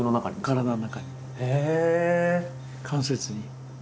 関節に。